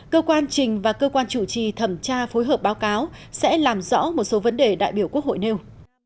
cơ quan trình và cơ quan chủ trì thẩm tra phối hợp báo cáo sẽ làm rõ một số vấn đề đại biểu quốc hội nêu